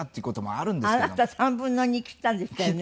あなた３分の２切ったんでしたよね。